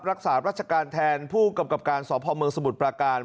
รักษารัชการแทนผู้กำกับการสพเมืองสมุทรปราการ